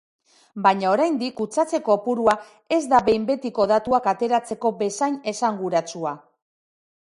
Baina oraindik kutsatze kopurua ez da behin betiko datuak ateratzeko bezain esanguratsua.